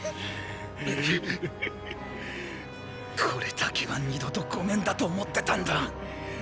これだけは二度とごめんだと思ってたんだ。